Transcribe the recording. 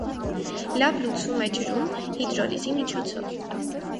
Լավ լուծվում է ջրում՝ հիդրոլիզի միջոցով։